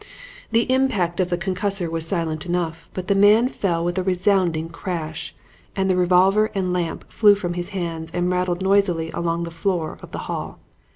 "The impact of the concussor was silent enough, but the man fell with a resounding crash, and the revolver and lamp flew from his hands and rattled noisily along the floor of the hall.